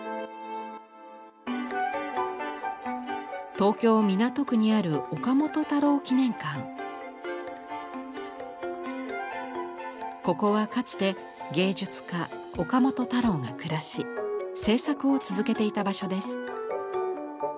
東京・港区にあるここはかつて芸術家岡本太郎が暮らし制作を続けていた場所です。